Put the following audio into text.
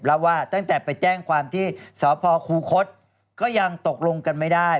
แล้วว่าตั้งแต่ไปแจ้งความที่สพคูคศก็ยังตกลงกันไม่ได้